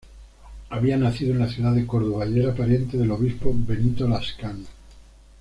Había nacido en la ciudad de Córdoba, y era pariente del obispo Benito Lascano.